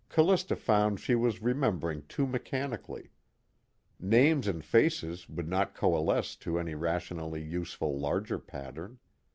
Callista found she was remembering too mechanically; names and faces would not coalesce to any rationally useful larger pattern.